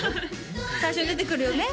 最初に出てくるよね